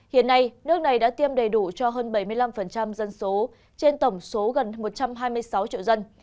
hiện nay nước này đã tiêm đầy đủ cho hơn bảy mươi năm dân số trên tổng số gần một trăm hai mươi sáu triệu dân